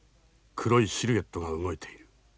黒いシルエットが動いている。